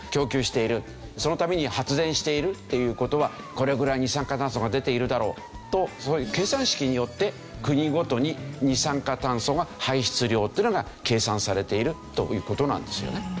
そのために発電しているっていう事はこれぐらい二酸化炭素が出ているだろうとそういう計算式によって国ごとに二酸化炭素の排出量というのが計算されているという事なんですよね。